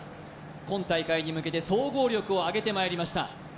今大会に向けて総合力を上げてまいりました